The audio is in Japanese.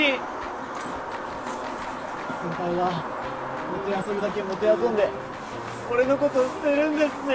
先輩はもてあそぶだけもてあそんで俺のことを捨てるんですね。